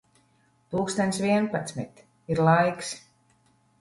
Pulkstens vienpadsmit. Ir laiks.